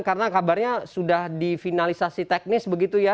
karena kabarnya sudah di finalisasi teknis begitu ya